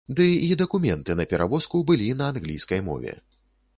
Ды і дакументы на перавозку былі на англійскай мове.